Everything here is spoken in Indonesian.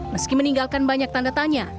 meski meninggalkan banyak tanda tanya